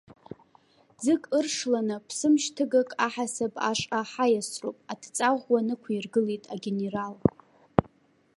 Ӡык ыршланы, ԥсымшьҭыгак аҳасаб ашҟа ҳаиасроуп, адҵа ӷәӷәа нықәиргылеит агенерал.